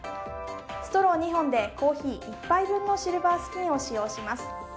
ストロー２本でコーヒー１杯分のシルバースキンを使用します。